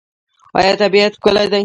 آیا طبیعت ښکلی دی؟